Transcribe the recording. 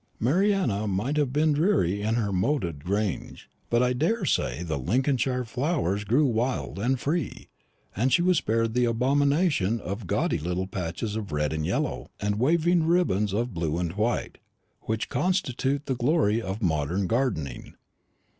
Mariana might have been dreary in her moated grange; but I daresay the Lincolnshire flowers grew wild and free, and she was spared the abomination of gaudy little patches of red and yellow, and waving ribbons of blue and white, which constitute the glory of modern gardening.